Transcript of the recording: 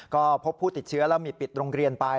ก็พบผู้ติดเชื้อแล้วมีปิดโรงเรียนไป